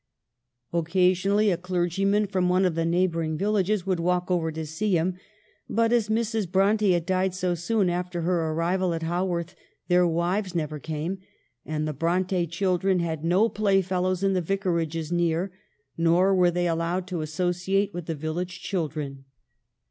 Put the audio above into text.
Occasionally a clergyman from one of the neighboring villages would walk over to see him ; but as Mrs. Bronte had died so soon after her arrival at Haworth their wives never came, and the Bronte children had no playfellows in the vicarages near ; nor were they allowed to associate with the village children.